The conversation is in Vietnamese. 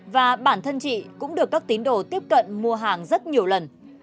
và bản thân chị cũng được các tín đồ tiếp cận mua hàng rất nhiều lần